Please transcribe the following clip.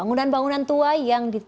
perang butiko sometime